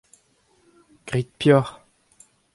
grit peoc'h.